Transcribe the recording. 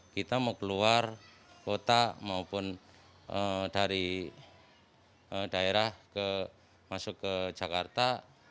kita mau keluar kota maupun dari daerah masuk ke jakarta